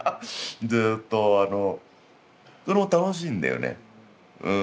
ずっとあのそれも楽しいんだよね。